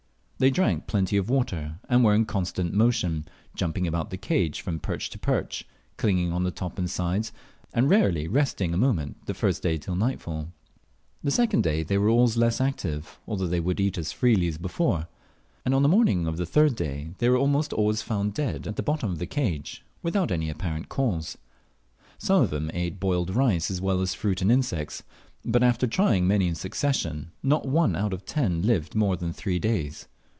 They drank plenty of water, and were in constant motion, jumping about the cage from perch to perch, clinging on the top and sides, and rarely resting a moment the first day till nightfall. The second day they were always less active, although they would eat as freely as before; and on the morning of the third day they were almost always found dead at the bottom of the cage, without any apparent cause. Some of them ate boiled rice as well as fruit and insects; but after trying many in succession, not one out of ten lived more than three days.